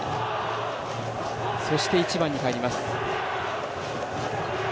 そして、１番にかえります。